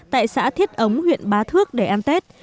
tại xã thiết ống huyện bá thước để ăn tết